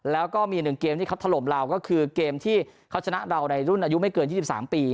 แล้วก็มี๑เกมที่เขาถล่มเราก็คือเกมที่เขาชนะเราในรุ่นอายุไม่เกิน๒๓ปี